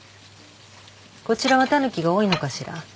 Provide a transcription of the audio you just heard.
こちらはタヌキが多いのかしら？